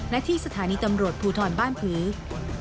และที่สถานีตำรวจภูทรบ้านผือก